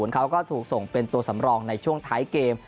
เขาก็ถูกส่งเป็นตัวสำรองในช่วงท้ายเกม